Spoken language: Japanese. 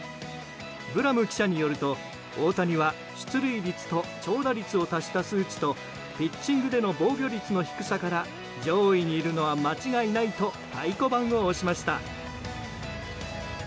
ブラム記者によると大谷は出塁率と長打率を足した数値とピッチングでの防御率の低さから上位にいるのは間違いないと太鼓判を押しました。